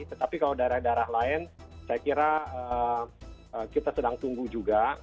tetapi kalau daerah daerah lain saya kira kita sedang tunggu juga